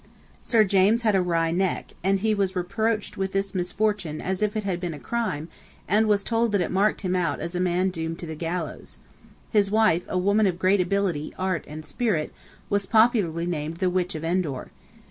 Sir James had a wry neck; and he was reproached with this misfortune as if it had been a crime, and was told that it marked him out as a man doomed to the gallows. His wife, a woman of great ability, art, and spirit, was popularly nicknamed the Witch of Endor.